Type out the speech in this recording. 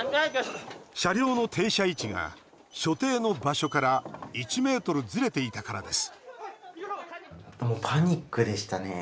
車両の停車位置が所定の場所から１ｍずれていたからです